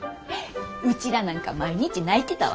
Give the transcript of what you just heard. ウチらなんか毎日泣いてたわ。